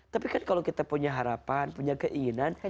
tapi kan kalau kita punya harapan punya keinginan